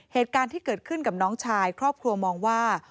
เหตุการณ์ที่เกิดขึ้นกับน้องชายครอบครัวมองว่า